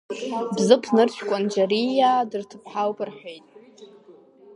Бзыԥ нырцә Кәанџьариаа дырҭыԥҳауп рҳәеит.